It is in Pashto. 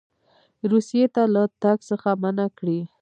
روسیې ته له تګ څخه منع کړي.